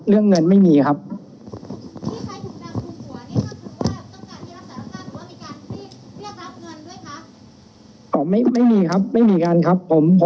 เรื่องเงินไม่มีครับที่ใช้ถุงดังถุงหัวนี่ก็คือว่าต้องการที่รักษาลักษณะหรือว่ามีการที่เรียกรับเงินด้วยครับอ๋อไม่ไม่มีครับ